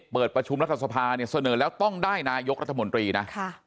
เปิดประชุมรัฐสภาเนี่ยเสนอแล้วต้องได้นายกรัฐมนตรีนะ